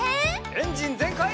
エンジンぜんかい！